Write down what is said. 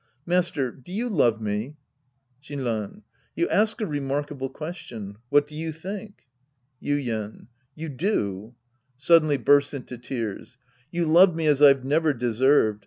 Master, do you love me ? Shinran. You ask a remarkable question. What <io you think ? Yuien. You do. {Suddenly bursts into tears.) You love me as I've never deserved.